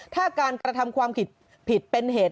ถ้าการกระทำความผิดผิดเป็นเหตุ